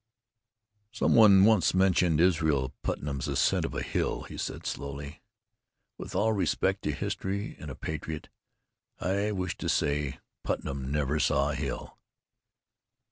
"Somebody once mentioned Israel Putnam's ascent of a hill," he said slowly. "With all respect to history and a patriot, I wish to say Putnam never saw a hill!"